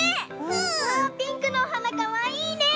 うわピンクのおはなかわいいね。